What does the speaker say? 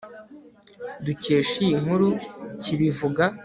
dukesha iyi nkuru kibivuga